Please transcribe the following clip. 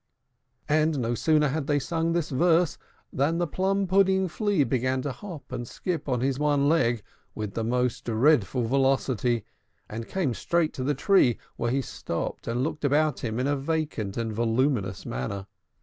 And no sooner had they sung this verse than the Plum pudding Flea began to hop and skip on his one leg with the most dreadful velocity, and came straight to the tree, where he stopped, and looked about him in a vacant and voluminous manner.